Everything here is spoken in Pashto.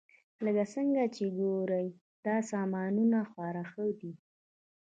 لکه څنګه چې ګورئ دا سامانونه خورا ښه دي